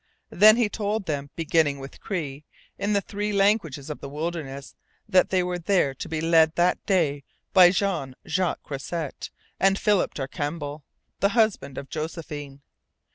Then he told them, beginning with Cree, in the three languages of the wilderness, that they were to be led that day by Jean Jacques Croisset and Philip Darcambal, the husband of Josephine.